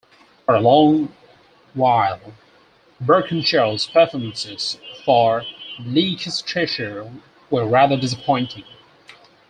For a long while Birkenshaw's performances for Leicestershire were rather disappointing.